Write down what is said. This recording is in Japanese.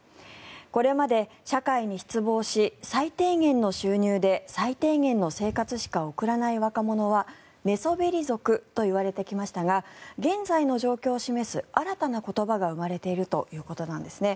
これまで社会に失望し最低限の収入で最低限の生活しか送らない若者は寝そべり族といわれてきましたが現在の状況を示す新たな言葉が生まれているということなんです。